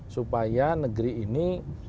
supaya negeri ini